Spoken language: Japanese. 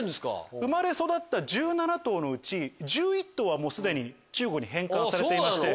生まれ育った１７頭のうち１１頭はすでに中国に返還されてまして。